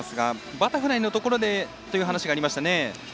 バタフライのところでという話がありましたね。